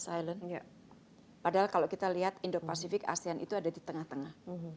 padahal kalau kita lihat indo pacific asean itu ada di tengah tengah